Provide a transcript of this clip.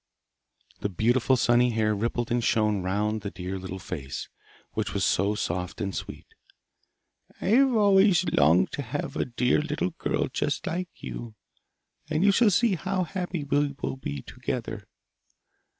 The beautiful sunny hair rippled and shone round the dear little face, which was so soft and sweet. 'I have always longed to have a dear little girl just like you, and you shall see how happy we will be together.